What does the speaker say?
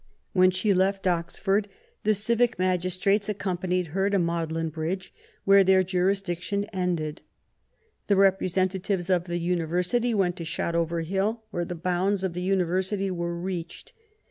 When she left Oxford the civic magistrates accom panied her to Magdalen Bridge, where their jurisdic tion ended ; the representatives of the University went to Shot over Hill, where the bounds of the University were reached.